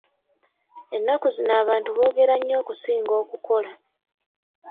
Ennaku zino abantu boogera nnyo okusinga okukola.